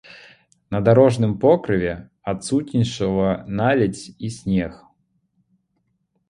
На дарожным покрыве адсутнічала наледзь і снег.